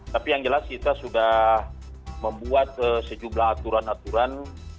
tapi yang jelas kita sudah membuat sejumlah aturan aturan